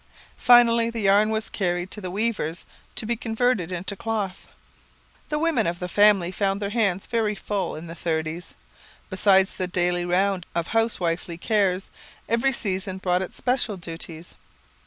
Finally, the yarn was carried to the weavers to be converted into cloth. The women of the family found their hands very full in the "Thirties." Besides the daily round of housewifely cares, every season brought its special duties.